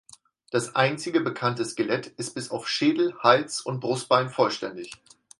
Das einzige bekannte Skelett ist bis auf Schädel, Hals und Brustbein vollständig.